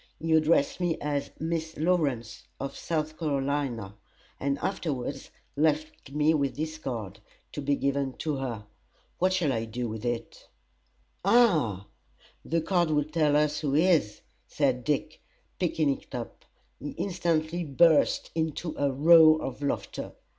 He addressed me as Miss Lawrence, of South Carolina, and afterwards left me his card, to be given to her. What shall I do with it?" "Ha! the card will tell us who he is," said Dick, picking it up. He instantly burst into a roar of laughter.